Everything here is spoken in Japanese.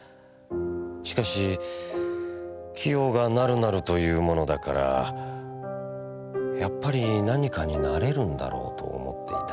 しかし清がなるなると云うものだからやっぱり何かに成れるんだろうと思っていた」。